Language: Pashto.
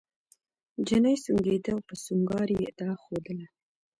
چیني سونګېده او په سونګاري یې دا ښودله.